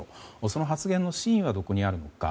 その発言の真意はどこにあるのか。